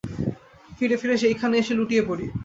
ফিরে ফিরে সেইখানে এসে লুটিয়ে পড়ি।